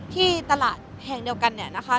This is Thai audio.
ที่ตลาดแห่งเดียวกันเนี่ยนะคะ